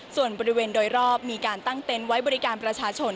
ส่วนบริเวณโดยรอบมีการตั้งเต็นต์ไว้บริการประชาชน